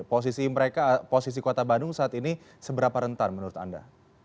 posisi mereka posisi kota bandung saat ini seberapa rentan menurut anda